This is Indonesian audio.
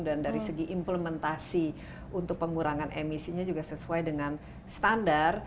dan dari segi implementasi untuk pengurangan emisinya juga sesuai dengan standar